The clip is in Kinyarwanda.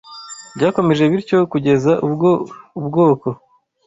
Byakomeje bityo, kugeza ubwo ubwoko